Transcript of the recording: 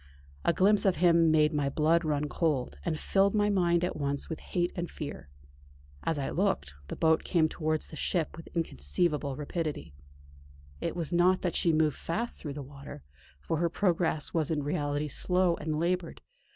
A glimpse of him made my blood run cold, and filled my mind at once with hate and fear. As I looked, the boat came towards the ship with inconceivable rapidity. It was not that she moved fast through the water, for her progress was in reality slow and laboured.